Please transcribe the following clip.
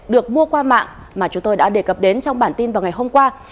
được mua qua mạng mà chúng tôi đã đề cập đến trong bản tin vào ngày hôm qua